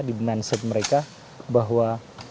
di mindset mereka bahwa